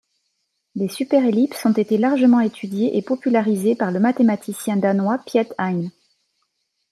Les superellipses ont été largement étudiés et popularisées par le mathématicien danois Piet Hein.